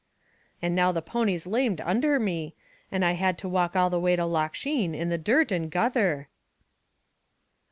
"And now the pony's lamed undher me, I had to walk all the way to Loch Sheen, in the dirt and gutther."